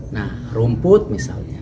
nah rumput misalnya